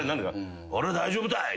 「俺は大丈夫たい。